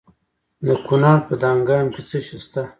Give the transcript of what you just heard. د کونړ په دانګام کې څه شی شته؟